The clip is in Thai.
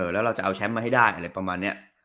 แล้วเราจะเอาแชมป์มาให้ได้อะไรประมาณนี้